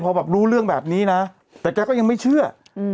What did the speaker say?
พอแบบรู้เรื่องแบบนี้นะแต่แกก็ยังไม่เชื่อ